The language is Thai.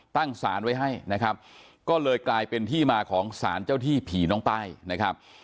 สารไว้ให้นะครับก็เลยกลายเป็นที่มาของสารเจ้าที่ผีน้องป้ายนะครับ